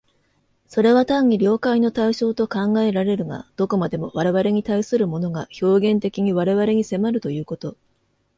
それは単に了解の対象と考えられるが、どこまでも我々に対するものが表現的に我々に迫るということ、